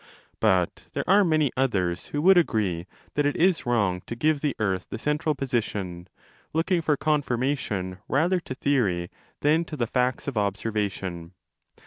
But there are many others who would agree that it is wrong to give the earth the central 30 position, looking for confirmation rather to theory than to the facts of observation.